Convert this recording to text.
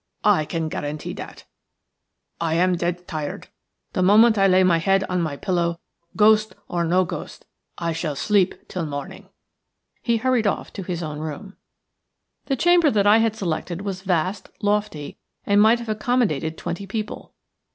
"I can guarantee that. I am dead tired; the moment I lay my head on my pillow, ghost or no ghost, I shall sleep till morning." He hurried off to his own room. The chamber that I had selected was vast, lofty, and might have accommodated twenty people.